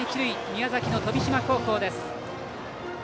宮崎の富島高校です。